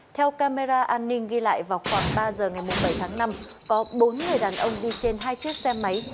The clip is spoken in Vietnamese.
theo camera an ninh ghi lại vào khoảng ba giờ ngày bảy tháng năm có bốn người đàn ông đi trên hai chiếc xe máy